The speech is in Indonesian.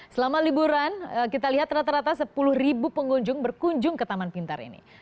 selama liburan kita lihat rata rata sepuluh ribu pengunjung berkunjung ke taman pintar ini